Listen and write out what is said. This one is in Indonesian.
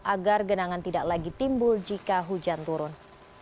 agar genangan tidak lagi timbul jika hujan turun